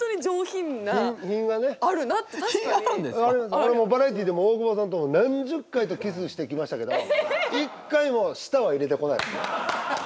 俺もバラエティーでも大久保さんと何十回とキスしてきましたけど一回も舌は入れてこないもんね。